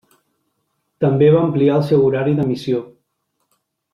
També va ampliar el seu horari d'emissió.